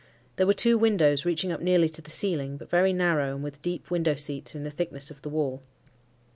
There were two windows reaching up nearly to the ceiling, but very narrow and with deep window seats in the thickness of the wall.